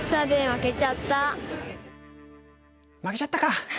負けちゃったか。